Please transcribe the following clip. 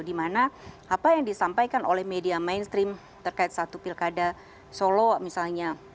dimana apa yang disampaikan oleh media mainstream terkait satu pilkada solo misalnya